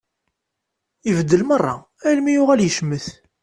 Ibeddel merra almi yuɣal yecmet.